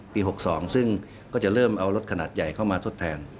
๖๒ซึ่งก็จะเริ่มเอารถขนาดใหญ่เข้ามาทดแทน